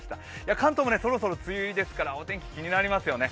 関東もそろそろ梅雨入りですからお天気、気になりますよね。